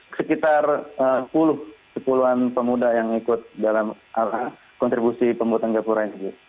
sekitar sepuluh sepuluh an pemuda yang ikut dalam kontribusi pembuatan gapura